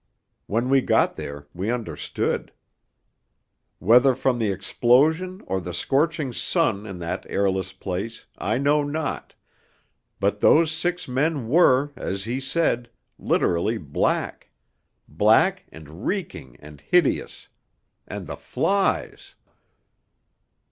When we got there we understood. Whether from the explosion or the scorching sun in that airless place, I know not, but those six men were, as he said, literally black black and reeking and hideous and the flies...!